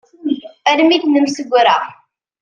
Armi id-nemsegra.